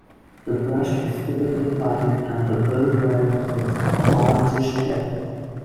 The breast is typically white and the bill red with an orange-ish tip.